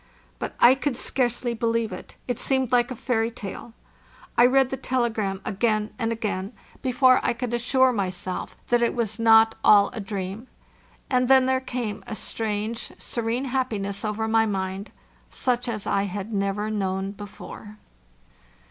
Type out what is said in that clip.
But I could scarcely believe it—it seemed like a fairy tale. I read the telegram again and 590 FARTHEST NORTH again before I could assure myself that it was not all a dream; and then there came a strange, serene happiness over my mind such as I had never known before.